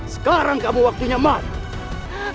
sekarang kamu waktunya mati